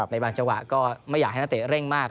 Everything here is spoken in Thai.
บางจังหวะก็ไม่อยากให้นักเตะเร่งมาก